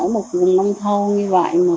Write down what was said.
sau khi chồng mất